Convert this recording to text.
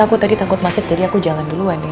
aku tadi takut macet jadi aku jalan duluan ya